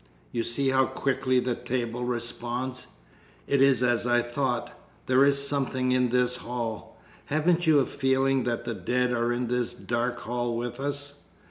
You see how quickly the table responds. It is as I thought. There is something in this hall. Haven't you a feeling that the dead are in this dark hall with us?